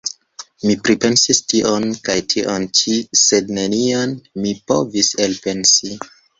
Mi pripensis tion kaj tion ĉi, sed nenion mi povis elpensi.